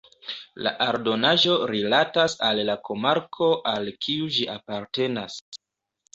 La aldonaĵo rilatas al la komarko al kiu ĝi apartenas.